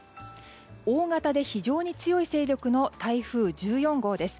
大型で非常に強い勢力の台風１４号です。